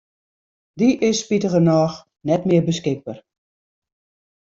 Dy is spitigernôch net mear beskikber.